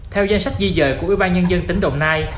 theo danh sách di dời của ubnd tỉnh đồng nai